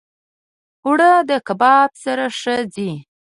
اوړه د کباب سره ښه ځي